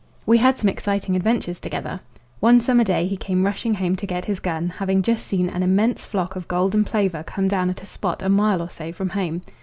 We had some exciting adventures together. One summer day he came rushing home to get his gun, having just seen an immense flock of golden plover come down at a spot a mile or so from home.